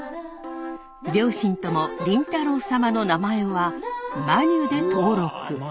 両親とも凛太郎サマの名前はマニュで登録。